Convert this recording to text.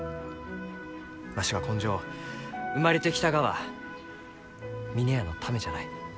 わしは今生生まれてきたがは峰屋のためじゃない。